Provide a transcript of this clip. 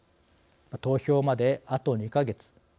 投票まであと２か月。